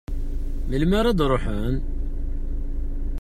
Melmi ara d-ruḥen?